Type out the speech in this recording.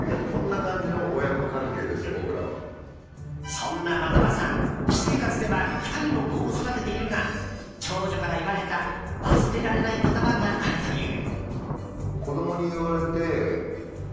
そんな的場さん、私生活では２人の子を育てているが長女から言われた忘れられない言葉があるという。